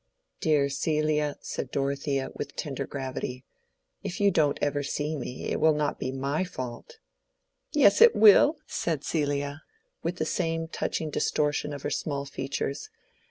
"Dear Celia," said Dorothea, with tender gravity, "if you don't ever see me, it will not be my fault." "Yes, it will," said Celia, with the same touching distortion of her small features.